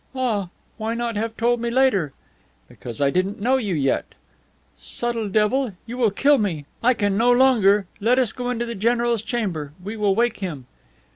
"Ah, why not have told me later?" "Because I didn't know you yet." "Subtle devil! You will kill me. I can no longer... Let us go into the general's chamber. We will wake him."